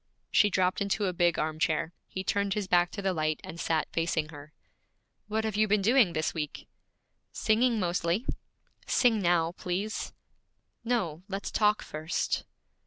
She dropped into a big arm chair. He turned his back to the light, and sat facing her. 'What have you been doing this week?' 'Singing mostly.' 'Sing now, please.' 'No, let's talk first.'